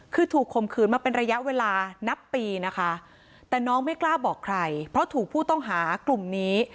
คือถูกข่มขืนมาเป็นระยะเวลานับปีนะคะแต่น้องไม่กล้าบอกใครเพราะถูกผู้ต้องหากลุ่มนี้